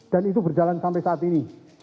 dan itu berjalan sampai saat ini